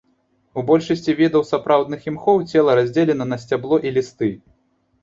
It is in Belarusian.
У большасці відаў сапраўдных імхоў цела раздзелена на сцябло і лісты.